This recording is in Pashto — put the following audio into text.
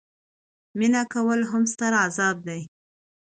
مینه کول هم ستر عذاب دي.